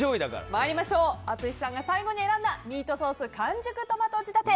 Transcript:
参りましょう淳さんが最後に選んだミートソース完熟トマト仕立て